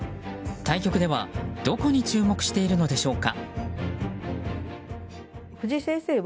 対局ではどこに注目しているのでしょうか。